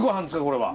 これは。